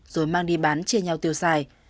rồi mang đi bán chia nhau tiêu xài